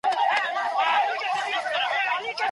د فراغت سند له مشورې پرته نه اعلانیږي.